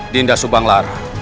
dinda subang lara